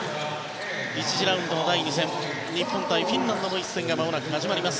１次ラウンドの第２戦日本対フィンランドの一戦がまもなく始まります。